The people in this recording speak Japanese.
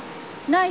ない！